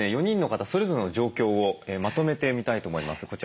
４人の方それぞれの状況をまとめてみたいと思います。